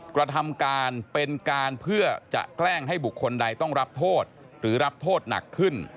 กระทำการเป็นการเพื่อจะแกล้งให้บุคคลใดต้องรับโทษหรือรับโทษหนักขึ้น